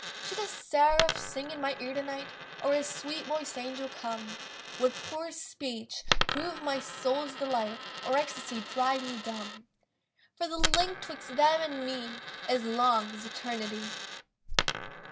Should a seraph sing in my ear tonight, Or a sweet voiced angel come. Would poor speech prove my soul's delight, Or ecstasy drive me dumb? For the link 'twixt them and me Is long as Eternity.